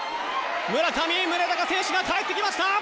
村上宗隆選手が帰ってきました！